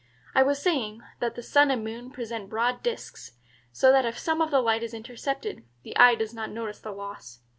I was saying that the sun and moon present broad disks, so that if some of the light is intercepted, the eye does not notice the loss.